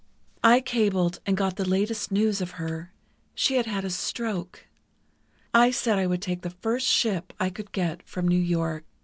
"I cabled and got the latest news of her; she had had a stroke. I said I would take the first ship I could get from New York.